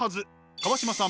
川島さん